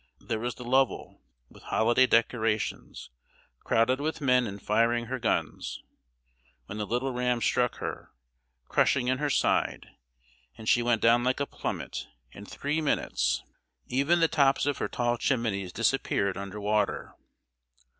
There was the Lovell, with holiday decorations, crowded with men and firing her guns, when the little ram struck her, crushing in her side, and she went down like a plummet. In three minutes, even the tops of her tall chimneys disappeared under water.